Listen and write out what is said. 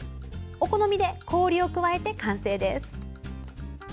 お好みで氷を加えて完成です。